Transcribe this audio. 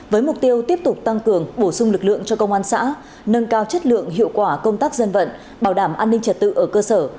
với mục tiêu tiếp tục tăng cường bổ sung lực lượng cho công an xã nâng cao chất lượng hiệu quả công tác dân vận bảo đảm an ninh trật tự ở cơ sở